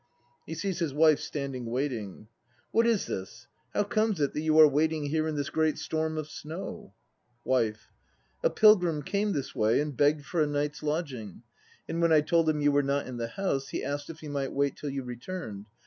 (He sees his WIFE standing waiting.) What is this! How comes it that you are waiting here in this great storm of snow? WIFE. A pilgrim came this way and begged for a night's lodging. And when I told him you were not in the house, he asked if he might wait till you returned.